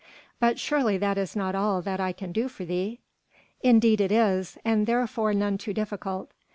"But surely that is not all that I can do for thee." "Indeed it is, and therefore none too difficult.